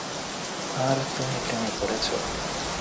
আর তুমি প্রেমে পড়েছ।